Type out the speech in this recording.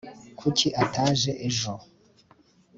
kuki ataje ejo